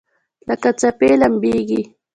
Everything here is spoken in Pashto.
لکه څپې لمبیږي